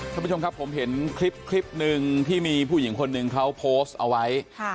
ท่านผู้ชมครับผมเห็นคลิปคลิปหนึ่งที่มีผู้หญิงคนหนึ่งเขาโพสต์เอาไว้